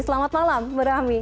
selamat malam bu rami